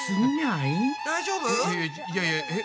いやいやえっ？